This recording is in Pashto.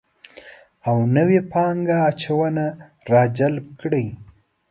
او نوې پانګه اچونه راجلب کړي